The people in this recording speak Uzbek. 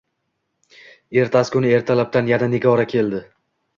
Ertasi kuni ertalabdan yana Nigora keldi